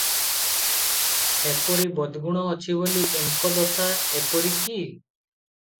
ସେପରି ବଦ୍ଗୁଣ ଅଛି ବୋଲି ଏଙ୍କ ଦଶା ଏପରି କି?